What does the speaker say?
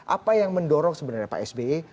apa yang mendorong sebenarnya pak sby